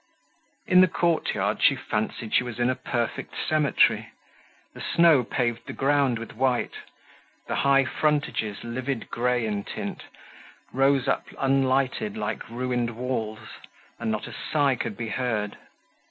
In the courtyard she fancied she was in a perfect cemetery; the snow paved the ground with white; the high frontages, livid grey in tint, rose up unlighted like ruined walls, and not a sigh could be heard.